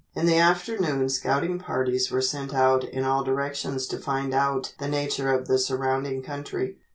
In the afternoon scouting parties were sent out in all directions to find out the nature of the surrounding country.